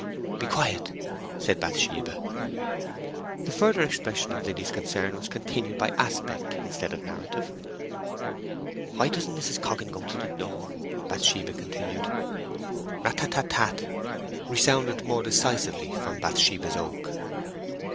"Be quiet!" said Bathsheba. The further expression of Liddy's concern was continued by aspect instead of narrative. "Why doesn't Mrs. Coggan go to the door?" Bathsheba continued. Rat tat tat tat resounded more decisively from Bathsheba's oak.